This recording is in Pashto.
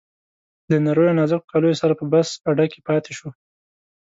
له نریو نازکو کالیو سره په بس اډه کې پاتې شو.